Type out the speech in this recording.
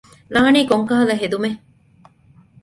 ލާނީ ކޮންކަހަލަ ހެދުމެއް؟